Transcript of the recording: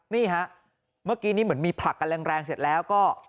นี่ฮะเมื่อกี้นี่เหมือนมีผลักกันแรงเสร็จแล้วก็